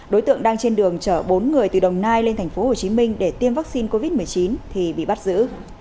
đối tượng đang trên đường chở bốn người từ đồng nai lên tp hcm để tiêm vaccine covid một mươi chín thì bị bắt giữ